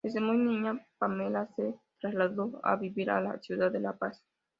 Desde muy niña, Pamela se trasladó a vivir a la ciudad de La Paz.